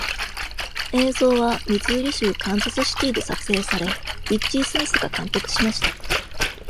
映像はミズーリ州カンザスシティで撮影され、リッチー・スミスが監督しました。